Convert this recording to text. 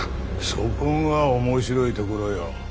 そこが面白いところよ。